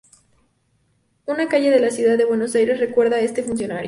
Una calle de la ciudad de Buenos Aires recuerda a este funcionario.